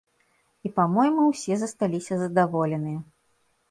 І па-мойму, усе засталіся задаволеныя.